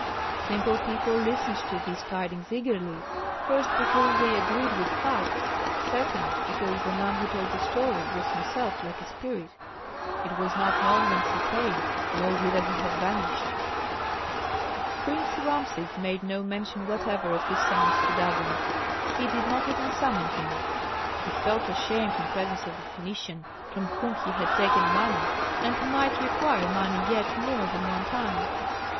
Simple people listened to these tidings eagerly, first, because they agreed with facts, second, because the man who told the story was himself like a spirit it was not known whence he came nor whither he had vanished. Prince Rameses made no mention whatever of his tenants to Dagon; he did not even summon him. He felt ashamed in presence of the Phœnician from whom he had taken money and might require money yet more than one time.